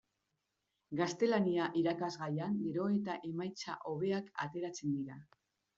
Gaztelania irakasgaian gero eta emaitza hobeak ateratzen dira.